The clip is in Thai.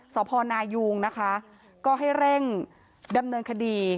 สพนายุงนะคะก็ให้เร่งดำเนินคดี